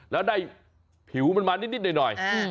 แล้วได้ผิวมันมานิดหน่อย